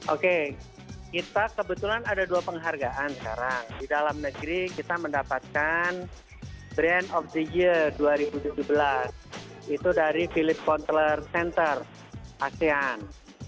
oke kita kebetulan ada dua penghargaan sekarang di dalam negeri kita mendapatkan brand of the year dua ribu tujuh belas itu dari philip contler center asean